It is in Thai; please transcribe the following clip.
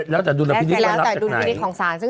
แล้วแต่ดุลพิวิตควรนับจากไหน